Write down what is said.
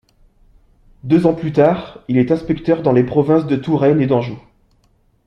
Deux ans plus tard, il est inspecteur dans les provinces de Touraine et d'Anjou.